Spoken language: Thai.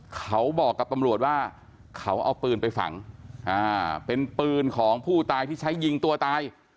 เขาบอกกับตำรวจว่าเขาเอาปืนไปฝังเป็นปืนของผู้ตายที่ใช้ยิงตัวตาย